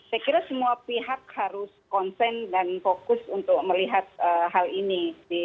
saya kira semua pihak harus konsen dan fokus untuk melihat hal ini